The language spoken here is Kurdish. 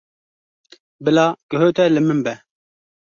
Bila guhê te li min be.